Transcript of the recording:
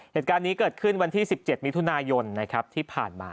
เหตุการณ์นี้เกิดขึ้นวันที่๑๗มิถุนายนที่ผ่านมา